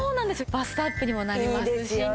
バストアップにもなりますしね。